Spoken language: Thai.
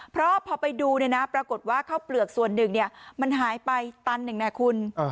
เพราะพอไปดูปรากฏว่าข้าวเปลือกส่วนหนึ่งมันหายไปตันหนึ่งนะคุณ